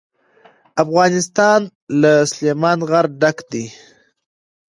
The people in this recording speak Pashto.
افغانستان له سلیمان غر ډک دی.